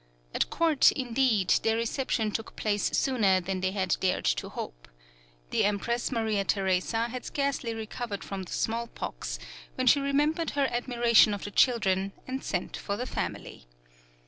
At court, indeed, their reception took place sooner than they had dared to hope. The Empress Maria Theresa had scarcely recovered from the small pox, when she remembered her admiration of the children, and sent for the family.